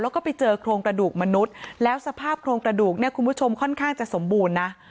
แล้วก็ไปเจอโครงกระดูกมนุษย์แล้วสภาพโครงกระดูกเนี่ยคุณผู้ชมค่อนข้างจะสมบูรณ์นะ